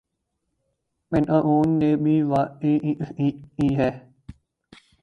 پینٹا gone نے بھی واقعہ کی تصدیق کی ہے